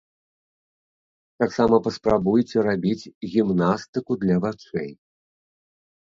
Таксама паспрабуйце рабіць гімнастыку для вачэй.